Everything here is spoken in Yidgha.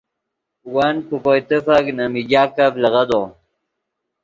ون پے کوئے تیفک نے میگاکف لیغدو